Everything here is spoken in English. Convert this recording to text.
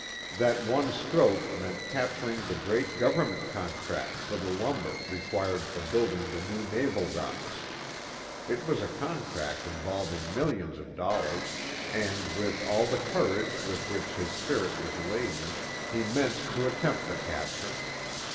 That one stroke meant capturing the great government contract for the lumber required for building the new naval docks. It was a contract involving millions of dollars, and, with all the courage with which his spirit was laden, he meant to attempt the capture.